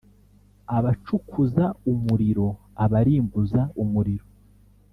abacukuza umuriro: abarimbuza umuriro